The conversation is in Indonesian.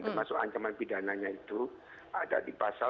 termasuk ancaman pidananya itu ada di pasal delapan belas